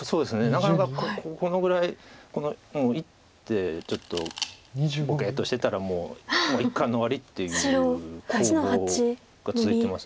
なかなかこのぐらい１手ちょっとぼけっとしてたらもう一巻の終わりっていう攻防が続いてます。